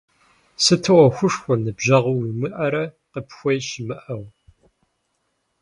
Сыту ӏуэхушхуэ, ныбжьэгъуи уимыӀэрэ къыпхуеи щымыӀэу?